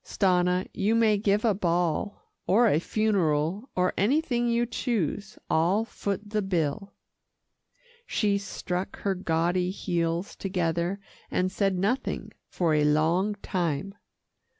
"Stanna you may give a ball, or a funeral, or anything you choose. I'll foot the bill." She struck her gaudy heels together, and said nothing for a long time.